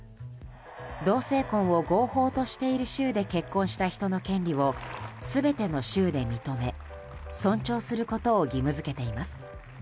同性婚を合法としている州で結婚した人の権利を全ての州で認め、尊重することを義務付けています。